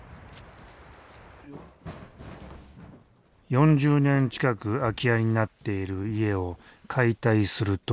４０年近く空き家になっている家を解体するという。